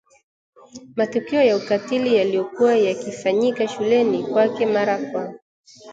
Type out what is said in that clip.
matukio ya ukatili yaliyokuwa yakifanyika shuleni kwake mara kwa